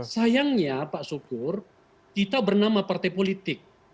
sayangnya pak syukur kita bernama partai politik